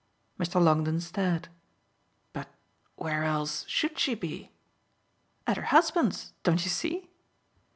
Mr. Longdon stared. "But where else should she be?" "At her husband's, don't you see?"